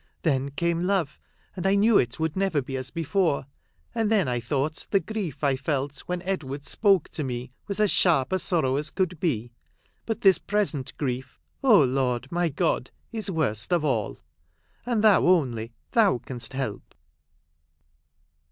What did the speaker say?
Then came love, and I knew it would never be as before ; and then I thought the grief I felt, when Edward spoke to me, was as sharp a sorrow as could be ; but this pre sent grief, Oh Lord, my God, is worst of all ; and Thou only, Thou, canst help